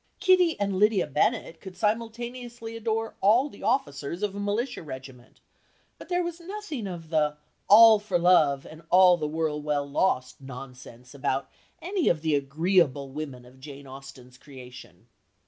Kitty and Lydia Bennet could simultaneously adore all the officers of a militia regiment, but there was nothing of the "all for love, and the world well lost" nonsense about any of the agreeable women of Jane Austen's creation.